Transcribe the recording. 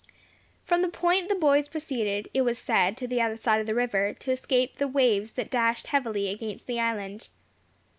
From the point the boys proceeded, it was said, to the other side of the river, to escape the waves that dashed heavily against the island.